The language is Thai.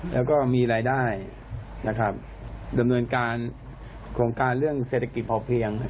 แล้วก็มีรายได้ดำเนินการโครงการเรื่องเศรษฐกิจพอเพียง